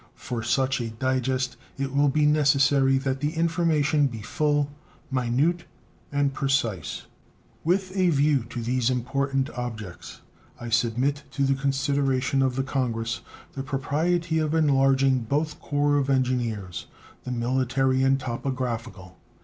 For such a digest it will be necessary that the information be full, minute, and precise. With a view to these important objects, I submit to the consideration of the Congress the propriety of enlarging both the corps of engineers the military and topographical.